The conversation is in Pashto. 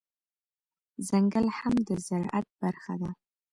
ځنګل هم د زرعت برخه ده